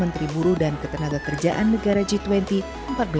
menteri buru dan ketenagakerjaan negara g dua puluh